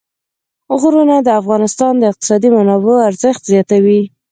غرونه د افغانستان د اقتصادي منابعو ارزښت زیاتوي.